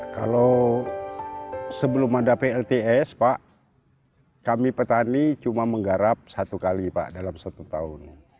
kalau sebelum ada plts pak kami petani cuma menggarap satu kali pak dalam satu tahun